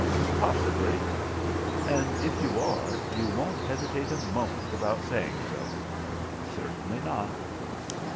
"Possibly." "And if you are, you won't hesitate a moment about saying so?" "Certainly not."